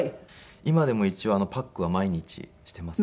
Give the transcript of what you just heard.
今でも一応パックは毎日していますね。